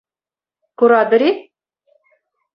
Куратӑр-и?